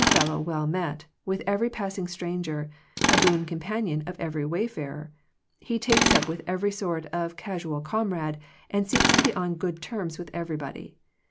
He is Hail fellow well met! with every passing stranger, a boon companion of every wayfarer. He takes up with every sort of casual comrade, and seeks to be on good terms with everybody.